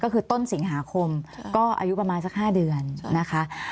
ก็คือต้นสิงหาคมก็อายุประมาณสัก๕เดือนนะคะ